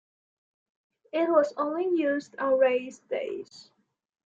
It was only used on race days.